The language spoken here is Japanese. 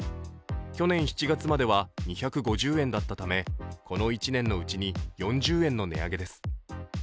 去年７月までは２５０円だったためこの１年のうちに４０円の値上げです